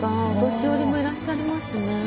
お年寄りもいらっしゃりますね。